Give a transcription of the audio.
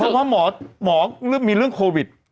เพราะว่าหมอมีเรื่องโควิด